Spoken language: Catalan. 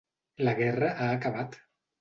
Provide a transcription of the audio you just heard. La guerra ha acabat.